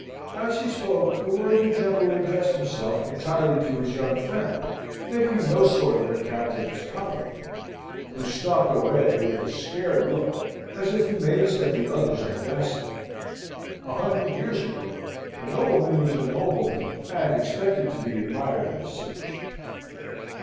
As he spoke, the worthy General addressed himself entirely to his young friend, making no sort of account of his colleague, who stalked away with a scared look as if amazed at the other's audacity. A hundred years ago, a nobleman was a nobleman, and expected to be admired as such.